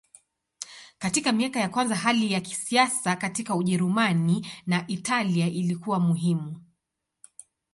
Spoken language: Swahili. Katika miaka ya kwanza hali ya kisiasa katika Ujerumani na Italia ilikuwa muhimu.